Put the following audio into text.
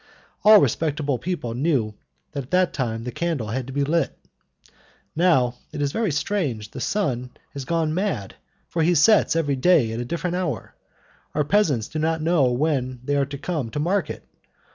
All respectable people knew that at that time the candle had to be lit. Now, it is very strange, the sun has gone mad, for he sets every day at a different hour. Our peasants do not know when they are to come to market.